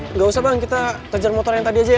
nggak usah bang kita kejar motor yang tadi aja